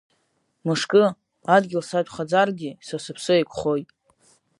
Мышкы, адгьыл сатәхаӡаргьы, са сыԥсы еиқәхоит.